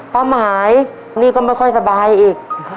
ป้าหมายนี่ก็ไม่ค่อยสบายอีก